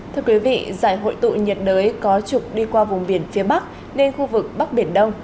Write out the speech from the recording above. thưa quý vị giải hội tụ nhiệt đới có trục đi qua vùng biển phía bắc nên khu vực bắc biển đông